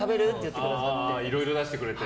いろいろ出してくれて。